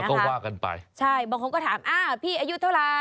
ก็ว่ากันไปใช่บางคนก็ถามอ่าพี่อายุเท่าไร